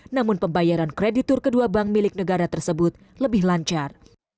namun pembayaran kreditur kedua bank milik negara tersebut lebih lancar